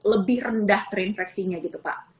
lebih rendah terinfeksinya gitu pak